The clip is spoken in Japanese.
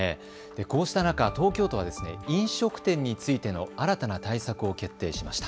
こうした中、東京都は飲食店についての新たな対策を決定しました。